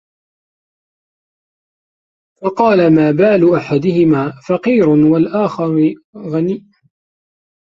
فَقَالَ مَا بَالُ أَحَدِهِمَا فَقِيرٌ وَالْآخَرِ غَنِيٌّ